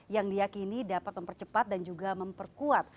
yang diakini dapat mempercepat dan juga memperkuat